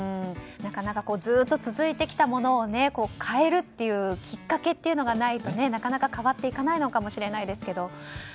なかなかずっと続いてきたものを変えるきっかけというのがないとなかなか変わっていかないのかもしれないですけど。